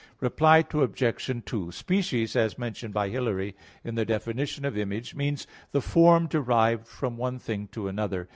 Reply Obj. 2: species, as mentioned by Hilary in the definition of image, means the form derived from one thing to another.